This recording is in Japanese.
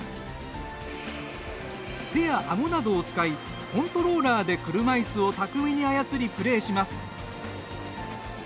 手や、あごなどを使いコントローラーで車いすを巧みに操り、プレーします。